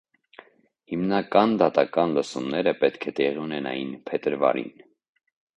Հիմնական դատական լսումները պետք է տեղի ունենային փետրվարին։